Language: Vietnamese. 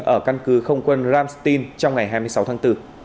ở căn cứ không quân ramstin trong ngày hai mươi sáu tháng bốn